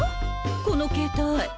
この携帯。